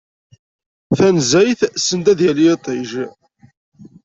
Tanezzayt, send ad d-yali yiṭij.